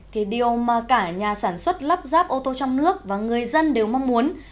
thì điều mà cả nhà sản xuất lắp ráp ô tô trong nước và người dân đều mong muốn